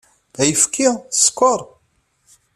Ayefki? Sskeṛ?